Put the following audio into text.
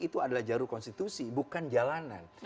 itu adalah jaru konstitusi bukan jalanan